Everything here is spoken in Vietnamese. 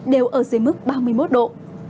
đều ở dưới mức ba mươi một độ